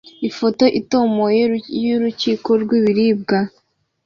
Ifoto itomoye yurukiko rwibiribwa